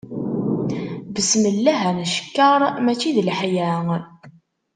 Besmellah ad ncekker, mačči d leḥya.